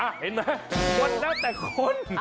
เห็นมั้ยวันนั้นแต่คน